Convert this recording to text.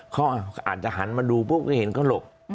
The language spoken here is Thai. เขาอาจจะหันมาดูพวกเขาเห็นก็หลบ